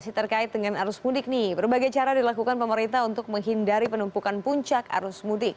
masih terkait dengan arus mudik nih berbagai cara dilakukan pemerintah untuk menghindari penumpukan puncak arus mudik